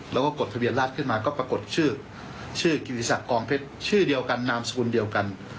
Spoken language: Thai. แล้วก็กดทะเบียนราชขึ้นมาก็ปรากฏชื่อชื่อกิติศักดิ์กองเพชรชื่อเดียวกันนามสกุลเดียวกัน